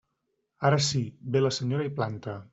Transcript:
Ara sí, ve la senyora i planta.